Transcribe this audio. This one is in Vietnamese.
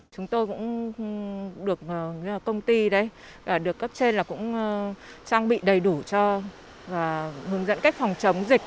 chúng tôi cũng được công ty đấy được cấp trên là cũng trang bị đầy đủ cho hướng dẫn cách phòng chống dịch